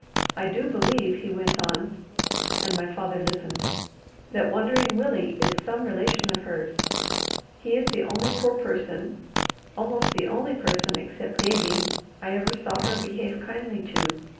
I do believe," he went on, and my father listened, "that Wandering Willie is some relation of hers. He is the only poor person, almost the only person except Davie, I ever saw her behave kindly to.